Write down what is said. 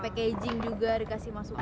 packaging juga dikasih masukan